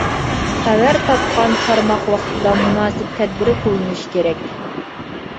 خەۋەر تاپقان تارماق ۋاقتىدا مۇناسىپ تەدبىر قوللىنىشى كېرەك.